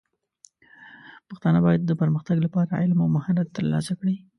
پښتانه بايد د پرمختګ لپاره علم او مهارت ترلاسه کړي.